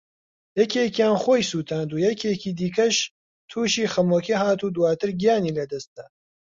یەکێکیان خۆی سوتاند و یەکێکی دیکەش تووشی خەمۆکی هات و دواتر گیانی لەدەستدا